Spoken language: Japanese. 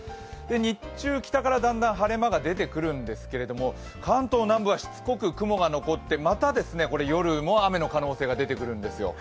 日中北からだんだん晴れ間が出てくるんですけれども、関東南部はしつこく雲が残ってまた夜に雨の可能性が出てくるんですよ。